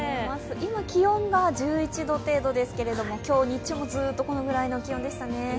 今、気温が１１度程度ですけれども今日、日中もずっとこのくらいの気温でしたね。